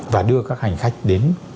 và đưa các hành khách đến